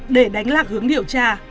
để đánh lạc hướng điều tra